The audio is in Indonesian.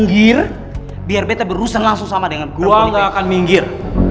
gue gak pernah suka sama cowok yang gak suka sama dia